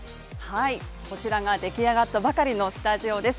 こちらができ上がったばかりのスタジオです。